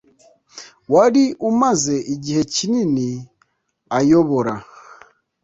wari umaze igihe kinini ayobora